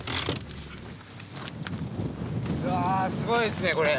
うわすごいですねこれ。